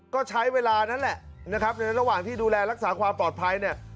ก็ใช้เวลานั้นแหละนะครับในระหว่างที่ดูแลรักษาความปลอดภัยเนี่ย